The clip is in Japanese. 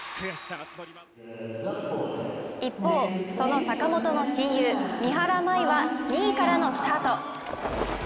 一方、その坂本の親友三原舞依は２位からのスタート。